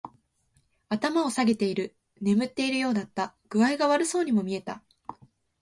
頭を下げている。眠っているようだった。具合が悪そうにも見えた。